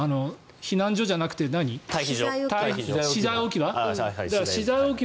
避難所じゃなくて、資材置き場？